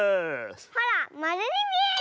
ほらまるにみえる。